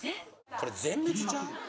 これ全滅ちゃう？